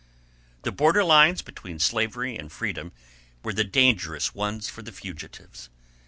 The border lines between slavery and freedom were the dangerous ones for the fugitives.